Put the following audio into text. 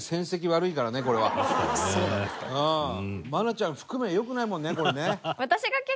愛菜ちゃん含め良くないもんねこれね。